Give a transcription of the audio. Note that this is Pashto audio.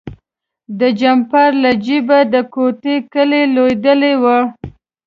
د جمپر له جیبه د کوټې کیلي لویدلې وه.